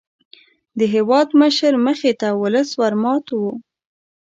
د هېوادمشر مخې ته ولس ور مات وو.